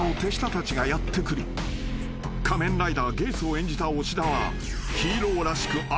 ［仮面ライダーゲイツを演じた押田はアイドルを］